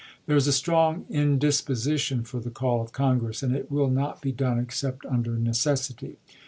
There is a strong indisposition for the call of Congress, and it will not be done except under necessity.